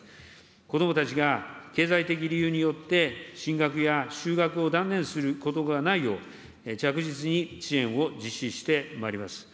子どもたちが経済的理由によって、進学や就学を断念することがないよう、着実に支援を実施してまいります。